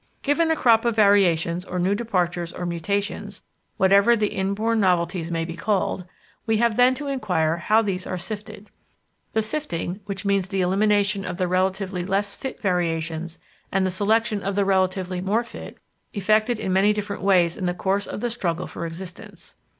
Given a crop of variations or new departures or mutations, whatever the inborn novelties may be called, we have then to inquire how these are sifted. The sifting, which means the elimination of the relatively less fit variations and the selection of the relatively more fit, effected in many different ways in the course of the struggle for existence.